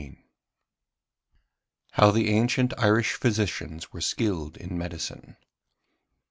HOW THE ANCIENT IRISH PHYSICIANS WERE SKILLED IN MEDICINE.